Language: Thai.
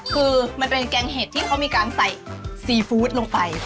คือมันเป็นแกงเห็ดที่เขามีการใส่ซีฟู้ดลงไป